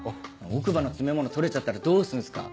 奥歯の詰め物取れちゃったらどうするんすか？